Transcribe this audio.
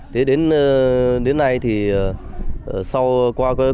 thế đến nay thì sau qua quá trình